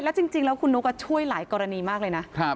แล้วจริงแล้วคุณนุ๊กช่วยหลายกรณีมากเลยนะ